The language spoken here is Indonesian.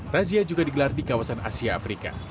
razia juga digelar di kawasan asia afrika